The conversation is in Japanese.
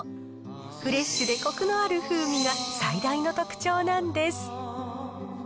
フレッシュでこくのある風味が最大の特徴なんです。